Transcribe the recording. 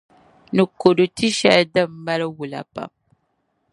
Ni kodu ti’ shεli din mali wola pam.